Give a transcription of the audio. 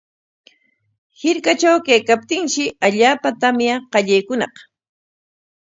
Hirkatraw kaykaptinshi allaapa tamya qallaykuñaq.